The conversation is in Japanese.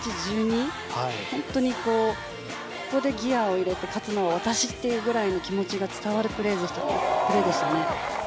本当にここでギアを入れて勝つのは私というぐらいの気持ちが伝わるプレーでしたね。